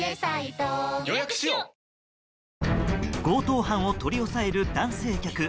強盗犯を取り押さえる男性客。